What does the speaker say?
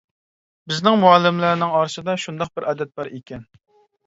-بىزنىڭ مۇئەللىملەرنىڭ ئارىسىدا شۇنداق بىر ئادەت بار ئىكەن.